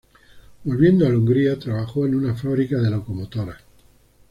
Volviendo al Hungría, trabajó en una fábrica de locomotoras.